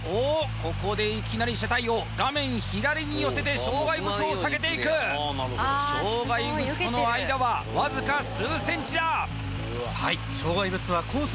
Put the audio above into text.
ここでいきなり車体を画面左に寄せて障害物を避けていく障害物との間はわずか数センチだはい障害物はコース